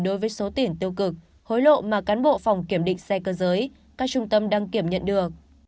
đối với số tiền tiêu cực hối lộ mà cán bộ phòng kiểm định xe cơ giới các trung tâm đăng kiểm nhận được